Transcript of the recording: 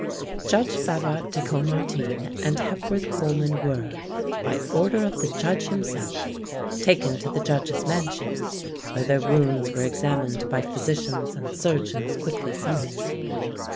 Judge Favart de Caumartin and Hepworth Coleman were, by order of the Judge himself, taken to the Judge's mansion, where their wounds were examined by physicians and surgeons quickly summoned.